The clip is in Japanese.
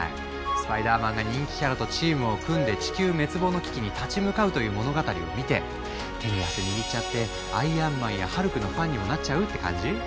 「スパイダーマン」が人気キャラとチームを組んで地球滅亡の危機に立ち向かうという物語を見て手に汗握っちゃって「アイアンマン」や「ハルク」のファンにもなっちゃうって感じ？